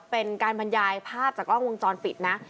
เป็นการบรรยายภาพจากกล้องวงจรปิดนะ